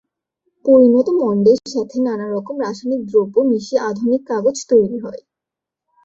পরিণত মণ্ডের সঙ্গে নানা রকম রাসায়নিক দ্রব্য মিশিয়ে আধুনিক কাগজ তৈরি হয়।